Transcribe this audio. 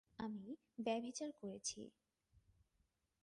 আমি ব্যভিচার করেছি।